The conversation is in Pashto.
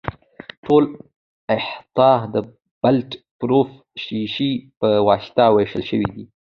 ټوله احاطه د بلټ پروف شیشې په واسطه وېشل شوې ده.